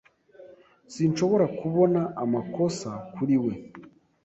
Sinshobora kubona amakosa kuri we.